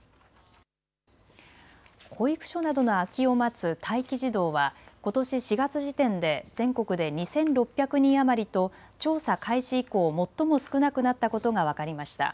保育所などの空きを待つ待機児童はことし４月時点で全国で２６００人余りと調査開始以降、最も少なくなったことが分かりました。